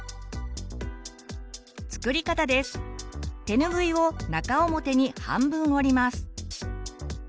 てぬぐいを中表に半分折ります。